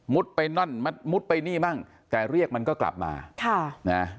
ไปนั่นมัดมุดไปนี่มั่งแต่เรียกมันก็กลับมาค่ะนะ